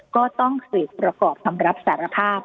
ก็ต้องสืบประกอบคำรับสารภาพ